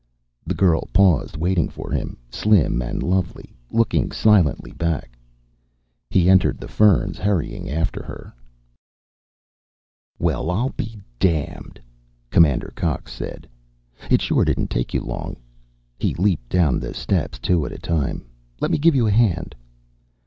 The girl paused, waiting for him, slim and lovely, looking silently back. He entered the ferns, hurrying after her. "Well, I'll be damned!" Commander Cox said. "It sure didn't take you long." He leaped down the steps two at a time. "Let me give you a hand."